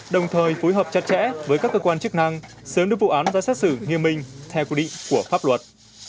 đồng thời phối hợp chặt chẽ với các cơ quan chức năng sớm đưa vụ án ra xét xử nghiêm minh theo quy định của pháp luật